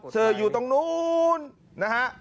เสื่ออยู่ตรงนู้นนะอ้ะ